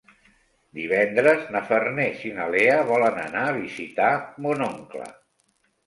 Divendres na Farners i na Lea volen anar a visitar mon oncle.